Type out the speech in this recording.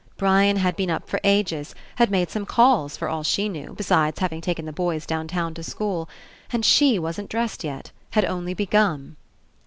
Brian had been up for ages, had made some calls for all she knew, besides having taken the boys downtown to school. And she wasn't dressed yet; had only begun.